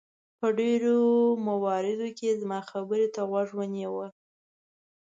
په ډېرو مواردو کې یې زما خبرې ته غوږ نیوه.